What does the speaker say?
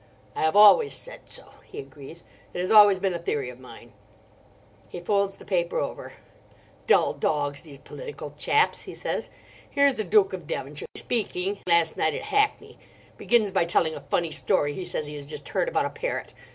"I have always said so," he agrees; "it has always been a theory of mine." He folds the paper over. "Dull dogs, these political chaps!" he says. "Here's the Duke of Devonshire, speaking last night at Hackney, begins by telling a funny story he says he has just heard about a parrot.